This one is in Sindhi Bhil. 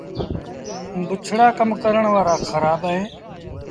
بُڇڙآ ڪم ڪرڻ وآرآ کرآب اهين۔